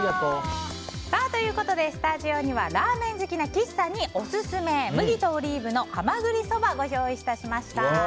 スタジオにはラーメン好きな岸さんにオススメむぎとオリーブの蛤ＳＯＢＡご用意いたしました。